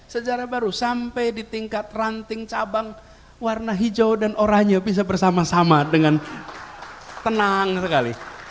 sejarah baru sampai di tingkat ranting cabang warna hijau dan oranye bisa bersama sama dengan tenang sekali